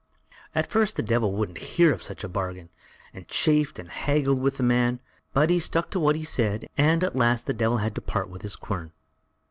At first the Devil wouldn't hear of such a bargain, and chaffed and haggled with the man; but he stuck to what he said, and at last the Devil had to part with his quern.